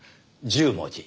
１０文字。